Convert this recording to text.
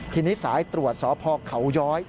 ทีนี้สายตรวจสพเขาย้อย